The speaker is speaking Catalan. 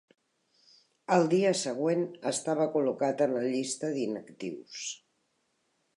El dia següent estava col·locat en la llista d'inactius.